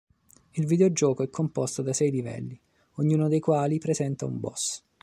Il videogioco è composto da sei livelli, ognuno dei quali presenta un boss.